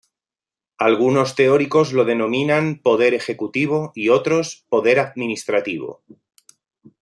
Algunos teóricos lo denominan Poder Ejecutivo y otros Poder Administrativo.